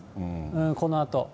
このあと。